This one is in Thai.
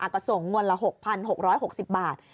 ก็ส่งงวดละ๖๖๖๐บาท